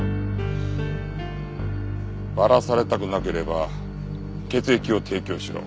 バラされたくなければ血液を提供しろ。